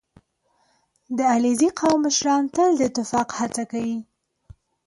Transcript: • د علیزي قوم مشران تل د اتفاق هڅه کوي.